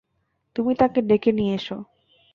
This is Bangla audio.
তুমি তাঁকে ডেকে নিয়ে এসো।